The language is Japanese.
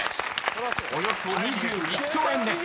［およそ２１兆円です］